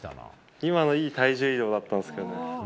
今のいい体重移動だったんですけどね。